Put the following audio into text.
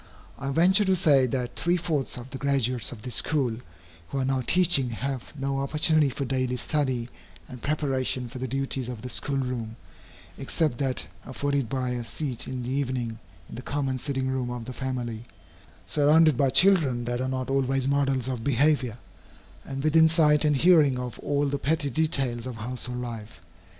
I venture to say that three fourths of the graduates of this school, who are now teaching, have no opportunity for daily study and preparation for the duties of the school room, except that afforded by a seat in the evening in the common sitting room of the family, surrounded by children that are not always models of behavior, and within sight and hearing of all the petty details of household life.